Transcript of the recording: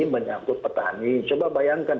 menyangkut petani coba bayangkan